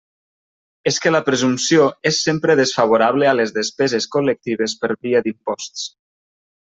És que la presumpció és sempre desfavorable a les despeses col·lectives per via d'imposts.